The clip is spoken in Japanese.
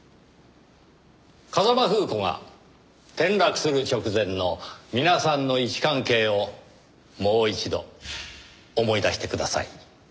風間楓子が転落する直前の皆さんの位置関係をもう一度思い出してください。